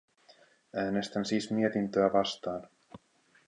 Äänestän siis mietintöä vastaan.